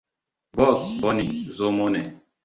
Bugs Bunny zomo ne.